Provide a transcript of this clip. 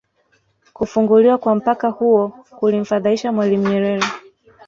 Kufunguliwa kwa mpaka huo kulimfadhaisha Mwalimu Nyerere